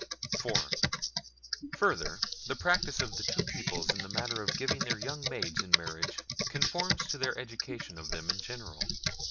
IV. Further, the practice of the two peoples in the matter of giving their young maids in marriage conforms to their education of them in general.